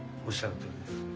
おっしゃるとおりです。